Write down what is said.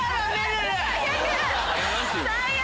最悪！